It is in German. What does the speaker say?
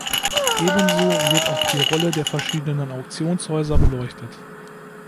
Ebenso wird auch die Rolle der verschiedenen Auktionshäuser beleuchtet.